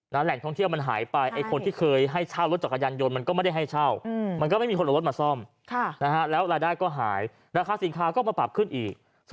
และแหล่งท่องเที่ยวมันหายไป